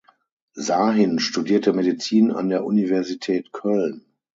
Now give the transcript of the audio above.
Şahin studierte Medizin an der Universität Köln.